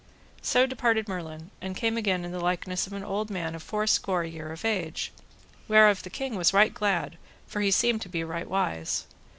So departed Merlin, and came again in the likeness of an old man of fourscore year of age, whereof the king was right glad, for he seemed to be right wise.